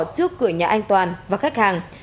trước cửa nhà anh toàn và khách hàng